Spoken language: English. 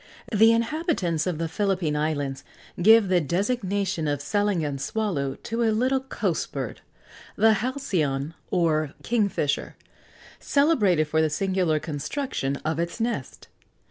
The inhabitants of the Philippine Islands give the designation of salangan swallow to a little coast bird (the halcyon, or kingfisher), celebrated for the singular construction of its nest.